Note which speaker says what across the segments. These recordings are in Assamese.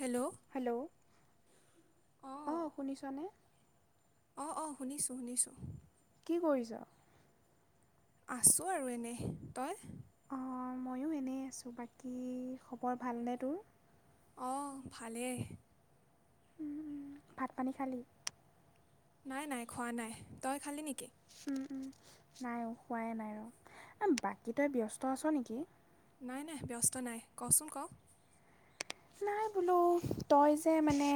Speaker 1: হেল্ল'
Speaker 2: হেল্ল' অ', শুনিছনে?
Speaker 1: অ', অ', শুনিছোঁ শুনিছোঁ।
Speaker 2: কি কৰিছ?
Speaker 1: আছো আৰু এনে। তই?
Speaker 2: অ', ময়ো এনেই আছোঁ। বাকী খবৰ ভালনে তোৰ?
Speaker 1: অ', ভালেই।
Speaker 2: উম, উম, ভাত পানী খালী?
Speaker 1: নাই নাই খোৱা নাই। তই খালি নেকি?
Speaker 2: উম, উম, নাই অ', খোৱাই নাই ৰ' বাকী তই ব্যস্ত আছ নেকি?
Speaker 1: নাই নাই ব্যস্ত নাই কচোন ক'?
Speaker 2: নাই বোলো তই যে মানে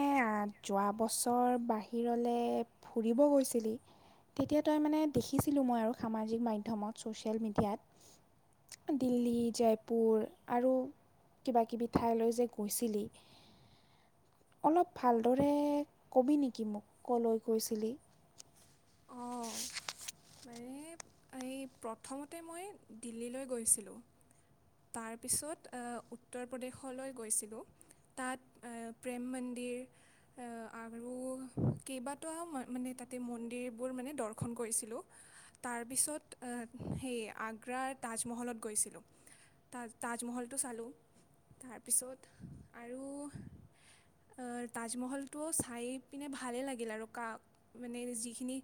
Speaker 2: যোৱা বছৰ বাহিৰলৈ ফুৰিব গৈছিলি। তেতিয়া তই মানে দেখিছিলোঁ মই আৰু সামাজিক মাধ্যমত ছ'চিয়েল মিডিয়াত। দিল্লী, জয়পুৰ আৰু কিবা কিবি ঠাইলৈ যে গৈছিলি। অলপ ভালদৰে ক'বি নেকি মোক ক'লৈ গৈছিলি?
Speaker 1: অ'। মানে এই প্ৰথমতে মই দিল্লীলৈ গৈছিলোঁ। তাৰপিছত উত্তৰ প্ৰদেশলৈ গৈছিলোঁ। তাত প্ৰেম মন্দিৰ আৰু কেইবাটাও মানে তাতে মন্দিৰবোৰ মানে দৰ্শন কৰিছিলোঁ। তাৰপিছত সেই আগ্ৰাৰ তাজমহলত গৈছিলোঁ। তা-তাজমহলটো চালো, আৰু তাজমহলটো চাই পিনে ভালেই লাগিল আৰু কা মানে যিখিনি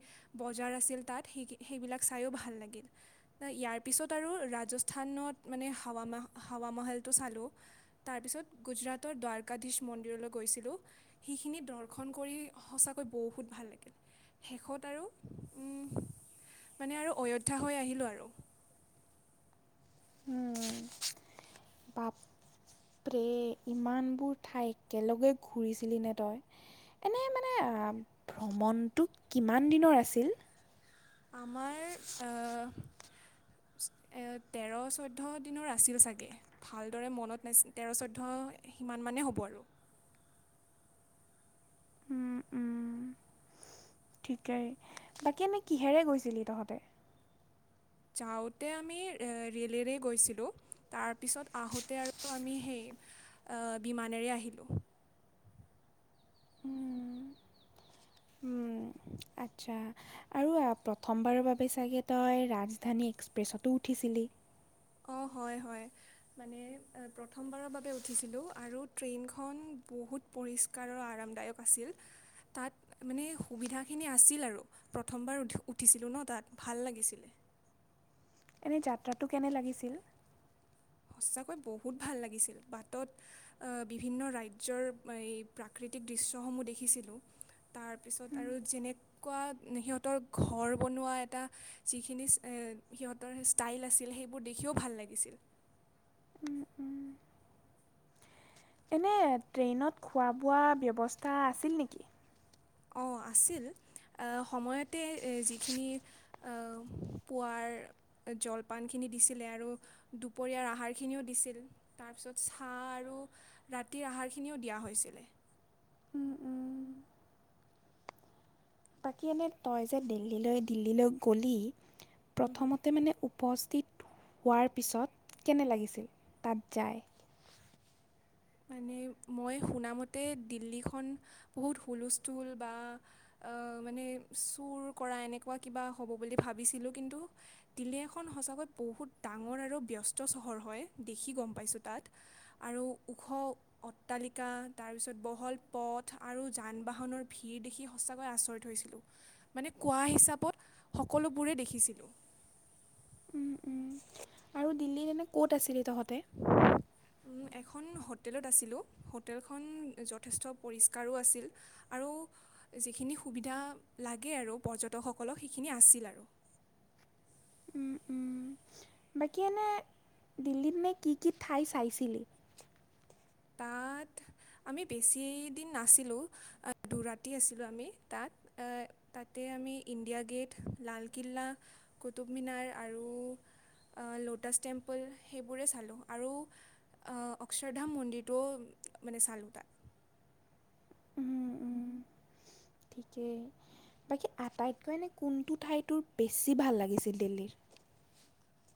Speaker 1: বজাৰ আছিল তাত সেই-সেইবিলাক চাইও ভাল লাগিল। ইয়াৰ পিছত আৰু ৰাজস্থানত মানে হাৱা ম হাৱা মহলটো চালোঁ। তাৰপিছত গুজৰাটৰ দ্বাৰকাাধীশ মন্দিৰলৈ গৈছিলোঁ। সেইখিনি দৰ্শন কৰি সঁচাকৈ বহুত ভাল লাগিল। শেষত আৰু উম মানে আৰু অযোধ্যা হৈ আহিলোঁ আৰু।
Speaker 2: উম, বাপ পৰে ইমানবোৰ ঠাই একেলগে ঘূৰিছিলি নে তই? এনেই মানে ভ্ৰমণটো কিমান দিনৰ আছিল?
Speaker 1: আমাৰ তেৰ চৈধ্য দিনৰ আছিল চাগে। ভালদৰে মনত নাই, তেৰ চৈধ্য সিমান মানেই হ'ব আৰু।
Speaker 2: উম, উম, ঠিকেই, বাকী এনেই কিহেৰে গৈছিলি তহঁতে?
Speaker 1: যাওঁতে আমি ৰে'লেৰে গৈছিলোঁ, তাৰপিছত আহোঁতে আৰু আমি সেই আহ বিমানেৰে আহিলোঁ।
Speaker 2: উম, আচ্ছা। আৰু প্ৰথমবাৰৰ বাবে চাগে তই ৰাজধানী এক্সপ্ৰেছতো উঠিছিলি?
Speaker 1: অঁ
Speaker 2: [inaudible]
Speaker 1: হয়, হয় মানে প্ৰথমবাৰৰ বাবে উঠিছিলোঁ, আৰু ট্ৰেইনখন বহুত পৰিষ্কাৰ আৰু আৰামদায়ক আছিল, তাত মানে সুবিধাখিনি আছিল আৰু। প্ৰথমবাৰ উঠিছিলোঁ ন তাত ভাল লাগিছিলে।
Speaker 2: এনেই যাত্ৰাটো কেনে লাগিছিল?
Speaker 1: সঁচাকৈ বহুত ভাল লাগিছিল, বাটত আহ বিভিন্ন ৰাজ্যৰ এই প্ৰাকৃতিক দৃশ্যসমূহ দেখিছিলোঁ। তাৰপিছত আৰু যেনেকুৱা সিহঁতৰ ঘৰ বনোৱা এটা যিখিনি সিহঁতৰ ষ্টাইল আছিল সেইবোৰ দেখিও ভাল লাগিছিল।
Speaker 2: উম এনেই ট্ৰেইনত খোৱা বোৱা ব্যৱস্থা আছিল নেকি?
Speaker 1: অ আছিল, সময়তে এ যিখিনি পুৱাৰ জলপানখিনি দিছিলে আৰু দুপৰীয়াৰ আহাৰখিনিও দিছিল। তাৰপিছত চাহ আৰু ৰাতিৰ আহাৰখিনিও দিয়া হৈছিলে।
Speaker 2: উম, উম। বাকী এনেই তই যে দিল্লীলৈ দিল্লীলৈ গ'লি প্ৰথমতে মানে উপস্থিত হোৱাৰ পিছত কেনে লাগিছিল তাত যায়?
Speaker 1: মানে মই শুনামতে দিল্লীখন বহুত হুলস্থুল বা আহ মানে চুৰ কৰা এনেকুৱা কিবা হ'ব বুলি ভাবিছিলো কিন্তু দিল্লী এখন সঁচাকৈ বহুত ডাঙৰ আৰু ব্যস্ত চহৰ হয়, দেখি গ'ম পাইছোঁ তাত। আৰু ওখ অট্টালিকা তাৰপিছত বহল পথ আৰু যান বাহনৰ ভিৰ দেখি সঁচাকৈ আচৰি হৈছিলোঁ। মানে কোৱা হিচাবত সকলোবোৰে দেখিছিলোঁ।
Speaker 2: উম উম আৰু দিল্লীত এনেই ক'ত আছিলি? তহঁতে।
Speaker 1: উম এখন হোটেলত আছিলোঁ হোটেলখন যথেষ্ট পৰিস্কাৰো আছিল আৰু যিখিনি সুবিধা লাগে আৰু পৰ্যটকসকলক সেইখিনি আছিল আৰু
Speaker 2: উম উম বাকী এনে দিল্লীত মেইন কি কি ঠাই চাইছিলি
Speaker 1: তাত
Speaker 2: [inaudible]
Speaker 1: আমি বেছি দিন নাছিলোঁ দু ৰাতি আছিলোঁ আমি তাত আহ‌ তাতে আমি ইণ্ডিয়া গেট লালকিল্লা কুটুব মিনাৰ আৰু আহ ল'টাছ টেম্পল সেইবোৰে চালোঁ আৰু অক্ষৰধাম মন্দিৰ তো মানে চালোঁ তাত
Speaker 2: উম উম ঠিকেই বাকী আটাইতকৈ এনেই কোনটো ঠাই তোৰ বেছি ভাল লাগিছিল দিল্লীৰ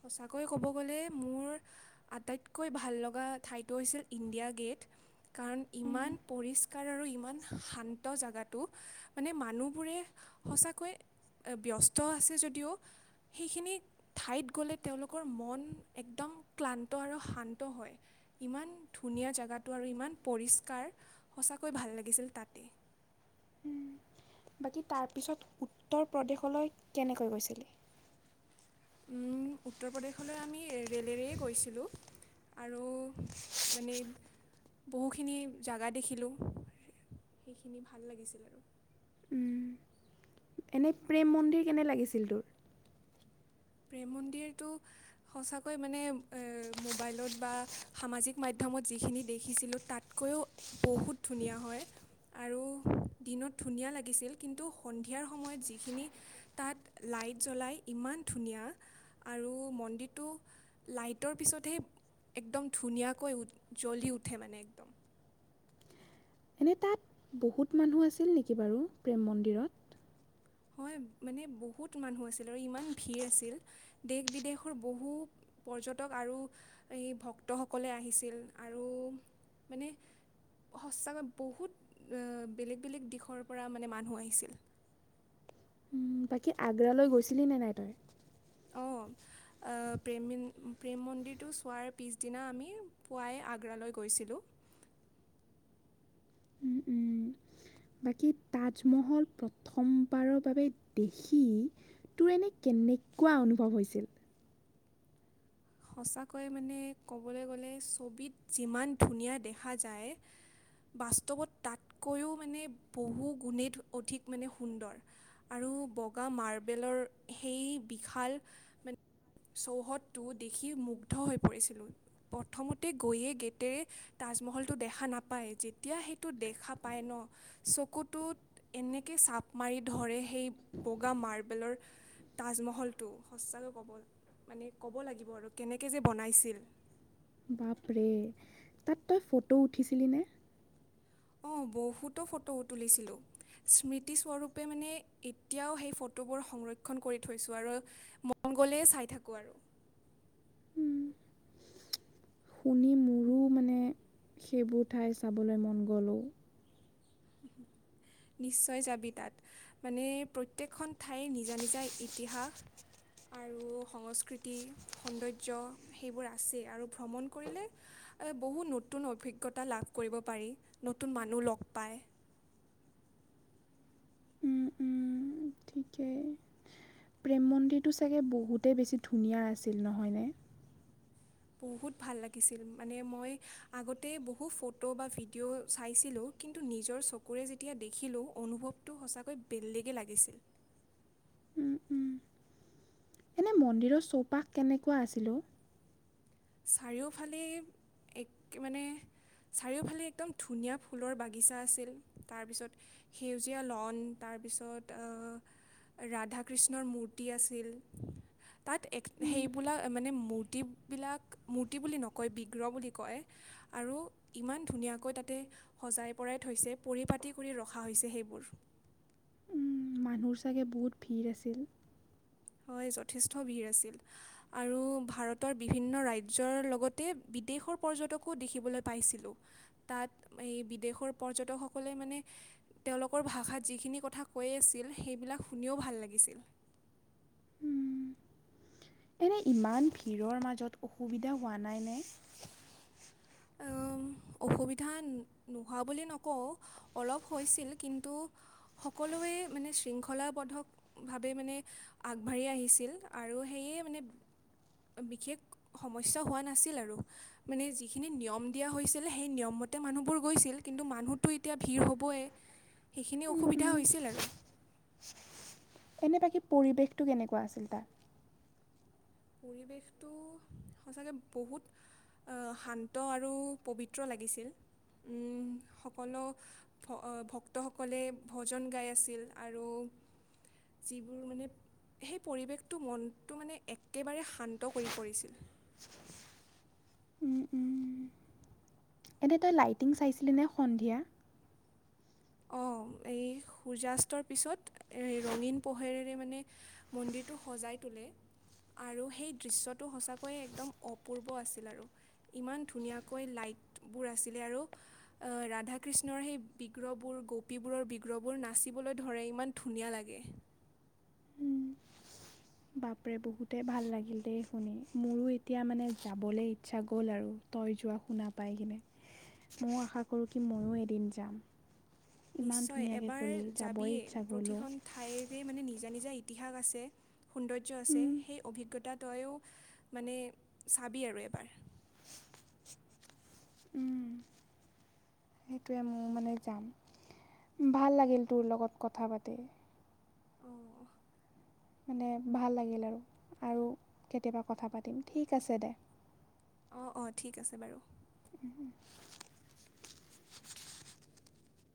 Speaker 1: সঁচাকৈয়ে ক'ব গ'লে মোৰ আটাইতকৈ ভাল লগা ঠাইটো হৈছিল ইণ্ডিয়া গেট কাৰণ
Speaker 2: উম,
Speaker 1: ইমান পৰিষ্কাৰ আৰু ইমান শান্ত জাগাটো মানে মানুহবোৰে সঁচাকৈ ব্যস্ত আছে যদিও সেইখিনি ঠাইত গ'লে তেওঁলোকৰ মন একদম ক্লান্ত আৰু শান্ত হয়। ইমান ধুনীয়া জেগাটো আৰু ইমান পৰিষ্কাৰ সঁচাকৈ ভাল লাগিছিল তাতে
Speaker 2: বাকী তাৰপিছত উত্তৰ প্ৰদেশলৈ কেনেকৈ গৈছিলি
Speaker 1: উম উত্তৰ প্ৰদেশলৈ আমি ৰে'লেৰেই গৈছিলোঁ আৰু মানে বহুখিনি জাগা দেখিলোঁ সেইখিনি ভাল লাগিছিল আৰু
Speaker 2: এনেই প্ৰেম মন্দিৰ কেনে লাগিছিল তোৰ
Speaker 1: প্ৰেম মন্দিৰটো সঁচাকৈ মানে এ মোবাইলত বা সামাজিক মাধ্যমত যিখিনি দেখিছিলোঁ তাতকৈও বহুত ধুনীয়া হয় আৰু দিনত ধুনীয়া লাগিছিল কিন্তু সন্ধিয়াৰ সময়ত যিখিনি তাত লাইট জ্বলাই ইমান ধুনীয়া আৰু মন্দিৰটো লাইটৰ পিছতহে একদম ধুনীয়াকৈ জ্বলি উঠে মানে একদম
Speaker 2: এনেই তাত বহুত মানুহ আছিল নেকি বাৰু প্ৰেম মন্দিৰত
Speaker 1: হয় মানে বহুত মানুহ আছিল আৰু ইমান ভিৰ আছিল দেশ বিদেশৰ বহু পৰ্যটক আৰু এই ভক্তসকলে আহিছিল আৰু মানে সঁচাকৈ বহুত এ বেলেগ বেলেগ দেশৰ পৰা মানে মানুহ আহিছিল
Speaker 2: উম বাকী আগ্ৰালৈ গৈছিলি নে নাই তই [unintelligible]
Speaker 1: আ প্ৰেম ম প্ৰেম মন্দিৰটো চোৱাৰ পিছদিনা আমি পুৱাই আগ্ৰালৈ গৈছিলোঁ
Speaker 2: উম, উম। বাকী তাজমহল প্ৰথমবাৰৰ বাবে দেখি তোৰ এনে কেনেকুৱা অনুভৱ হৈছিল
Speaker 1: সঁচাকৈ মানে ক'বলৈ গ'লে ছবিত যিমান ধুনীয়া দেখা যায় বাস্তৱত তাতকৈও মানে বহু গুণেই অধিক মানে সুন্দৰ আৰু বগা মাৰ্বেলৰ সেই বিশাল মানে চৌহদটো দেখি মুগ্ধ হৈ পৰিছিলোঁ প্ৰথমতে গৈয়ে গেটেৰে তাজমহলটো দেখা নাপায় যেতিয়া সেইটো দেখা পায় ন চকুটোত এনেকে চাপ মাৰি ধৰে সেই বগা মাৰ্বেলৰ তাজমহলটো সঁচাকৈ ক'ব মানে ক'ব লাগিব আৰু কেনেকৈ যে বনাইছিল
Speaker 2: বাপৰে তাত তই ফটো উঠিছিলি নে
Speaker 1: অ বহুতো ফটো তুলিছিলোঁ স্মৃতিস্বৰূপে মানে এতিয়াও সেই ফটোবোৰ সংৰক্ষণ কৰি থৈছোঁ আৰু মন গ'লেই চাই থাকো আৰু
Speaker 2: উম, শুনি মোৰো মানে সেইবোৰ ঠাই চাবলৈ মন গ'ল অ। [inaudible]
Speaker 1: নিশ্চয় যাবি তাত মানে প্ৰত্যেকখন ঠাইৰ নিজা নিজা ইতিহাস আৰু সংস্কৃতি, সৌন্দৰ্য সেইবোৰ আছেই আৰু ভ্ৰমণ কৰিলে বহু নতুন অভিজ্ঞতা লাভ কৰিব পাৰি নতুন মানুহ লগ পায়।
Speaker 2: উম, উম, ঠিকেই প্ৰেম মন্দিৰটো চাগে বহুতেই বেছি ধুনীয়া আছিল নহয়নে?
Speaker 1: বহুত ভাল লাগিছিল মানে মই আগতে বহু ফটো বা ভিডিঅ' চাইছিলোঁ কিন্তু নিজৰ চকুৰে যেতিয়া দেখিলোঁ অনুভৱটো সঁচাকৈ বেলেগে লাগিছিল।
Speaker 2: এনেই মন্দিৰৰ চৌপাশ কেনেকুৱা আছিল অ
Speaker 1: চাৰিওফালে এক মানে চাৰিওফালে একদম ধুনীয়া ফুলৰ বাগিচা আছিল তাৰপিছত সেউজীয়া ল'ন তাৰপিছত অহ ৰাধা কৃষ্ণৰ মূৰ্তি আছিল। তাত এক,
Speaker 2: উম,
Speaker 1: সেইবোলা মানে মূৰ্তিবিলাক মূৰ্তি বুলি নকয় বিগ্ৰহ বুলি কয় আৰু ইমান ধুনীয়াকৈ তাতে সজাই পৰাই থৈছে, পৰিপাতি কৰি ৰখা হৈছে সেইবোৰ।
Speaker 2: উম, মানুহৰ চাগে বহুত ভিৰ আছিল।
Speaker 1: হয়, যথেষ্ট ভিৰ আছিল। আৰু ভাৰতৰ বিভিন্ন ৰাজ্যৰ লগতে বিদেশৰ পৰ্যটকো দেখিবলৈ পাইছিলোঁ। তাত এই বিদেশৰ পৰ্যটকসকলে মানে তেওঁলোকৰ ভাষাত যিখিনি কথা কৈ আছিল সেইবিলাক শুনিও ভাল লাগিছিল।
Speaker 2: উম, এনে ইমান ভিৰৰ মাজত অসুবিধা হোৱা নাই নে?
Speaker 1: উম, অসুবিধা নোহোৱা বুলি নকওঁ, অলপ হৈছিল কিন্তু সকলোৱে মানে শৃংখলাবদ্ধভাৱে মানে আগবাঢ়ি আহিছিল আৰু সেয়ে মানে বিশেষ সমস্যা হোৱা নাছিল আৰু মানে যিখিনি নিয়ম দিয়া হৈছিল সেই নিয়মমতে মানুহবোৰ গৈছিল কিন্তু মানুহতো এতিয়া ভিৰ হ'বই। সেইখিনি
Speaker 2: উম,
Speaker 1: অসুবিধা
Speaker 2: উম।
Speaker 1: হৈছিল আৰু।
Speaker 2: এনে বাকী পৰিৱেশটো কেনেকুৱা আছিল তাৰ?
Speaker 1: পৰিৱেশটো সঁচাকে বহুত শান্ত আৰু পবিত্ৰ লাগিছিল। উম, সকলো ভ-ভক্তসকলে ভজন গাই আছিল আৰু যিবোৰ মানে সেই পৰিৱেশটো মনটো মানে এক একেবাৰে শান্ত কৰি পৰিছিল।
Speaker 2: উম উম। এনে তই লাইটিং চাইছিলি নে সন্ধিয়া?
Speaker 1: অ', এই সূৰ্যাস্তৰ পিছত এই ৰঙীন পোহেৰেৰে মানে মন্দিৰটো সজাই তোলে। আৰু সেই দৃশ্যটো সঁচাকৈয়ে একদম অপূৰ্ব আছিল আৰু। ইমান ধুনীয়াকৈ লাইটবোৰ আছিলে আৰু ৰাধা কৃষ্ণৰ সেই বিগ্ৰহ গোপীবোৰৰ বিগ্ৰহবোৰ নাচিবলৈ ধৰে ইমান ধুনীয়া লাগে।
Speaker 2: বাপৰে বহুতেই ভাল লাগিল দেই শুনি, মোৰো এতিয়া মানে যাবলৈ ইচ্ছা গ'ল আৰু। তই যোৱা শুনা পাই কিনে, ময়ো আশা কৰোঁ কি ময়ো এদিন যাম। ইমান
Speaker 1: নিশ্চয়
Speaker 2: ধুনীয়াকৈ
Speaker 1: এবাৰ
Speaker 2: ক'লি যাবই
Speaker 1: যাবিয়েই
Speaker 2: ইচ্ছা গ'ল অ'
Speaker 1: প্ৰতিখন ঠাইৰ সেই মানে নিজা নিজা ইতিহাস আছে, সৌন্দৰ্য্য আছে,
Speaker 2: উম,
Speaker 1: সেই অভিজ্ঞতা তইও মানে চাবি আৰু এবাৰ।
Speaker 2: উম। সেইটোৱে মোৰ মানে যাম। ভাল লাগিল তোৰ লগত কথা পাতি।
Speaker 1: অহ।
Speaker 2: মানে ভাল লাগিল আৰু। আৰু কেতিয়াবা কথা পাতিম ঠিক আছে দে।
Speaker 1: অ', অ', ঠিক আছে বাৰু।
Speaker 2: [inaudible]